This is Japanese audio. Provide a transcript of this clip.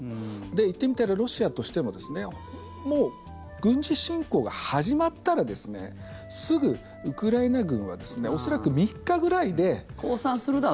で、言ってみたらロシアとしても軍事侵攻が始まったらすぐ、ウクライナ軍は恐らく３日ぐらいで。